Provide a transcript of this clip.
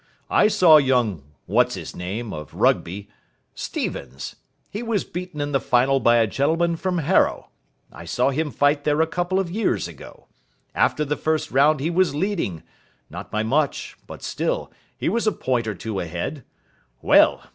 I saw young what's his name, of Rugby Stevens: he was beaten in the final by a gentleman from Harrow I saw him fight there a couple of years ago. After the first round he was leading not by much, but still, he was a point or two ahead. Well!